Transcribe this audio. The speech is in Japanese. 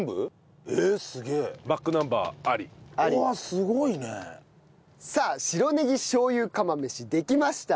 すごいねえ。さあ白ねぎ醤油釜飯できました。